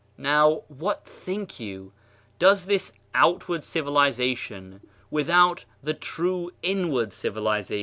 Now, what think you? Does this outward civilization, without the true inward civilization, * i.